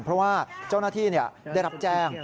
เพราะว่าเจ้าหน้าที่ได้รับแจ้ง